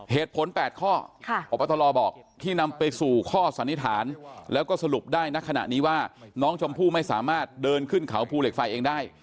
เหตุผล๘ข้อพบตรบอกที่นำไปสู่ข้อสันนิษฐานแล้วก็สรุปได้ณขณะนี้ว่าน้องชมพู่ไม่สามารถเดินขึ้นเขาภูเหล็กไฟเองได้